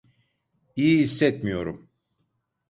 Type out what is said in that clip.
İyi hissetmiyorum.